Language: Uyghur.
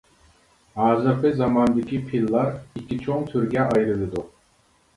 ھازىرقى زاماندىكى پىللار ئىككى چوڭ تۈرگە ئايرىلىدۇ.